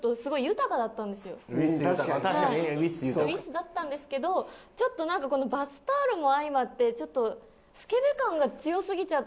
だったんですけどちょっとなんかこのバスタオルも相まってちょっとスケベ感が強すぎちゃった。